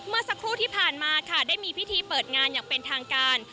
เมื่อสักครู่ที่ผ่านมาค่ะได้มีพิธีเปิดงานอย่างเป็นทางการ